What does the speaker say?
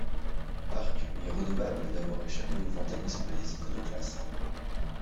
Parc lui est redevable d'avoir échappé au vandalisme des iconoclastes.